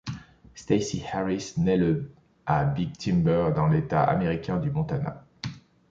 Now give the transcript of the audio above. Stacy Harris naît le à Big Timber dans l'État américain du Montana.